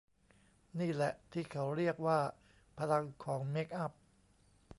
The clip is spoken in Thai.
นี่แหละที่เขาเรียกว่าพลังของเมคอัพ